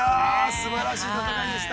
◆すばらしい戦いでした。